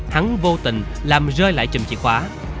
hắn vô tình làm rơi lại trùm chìa khóa